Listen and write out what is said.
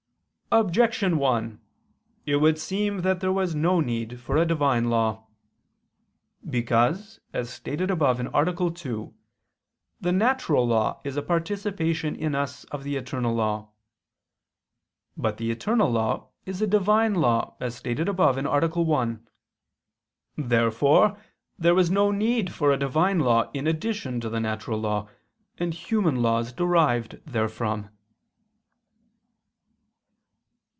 Objection 1: It would seem that there was no need for a Divine law. Because, as stated above (A. 2), the natural law is a participation in us of the eternal law. But the eternal law is a Divine law, as stated above (A. 1). Therefore there was no need for a Divine law in addition to the natural law, and human laws derived therefrom.